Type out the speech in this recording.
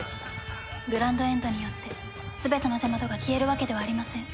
グランドエンドによって全てのジャマトが消えるわけではありません。